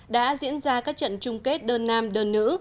đã diễn ra các trận chung kết đơn nam đơn nữ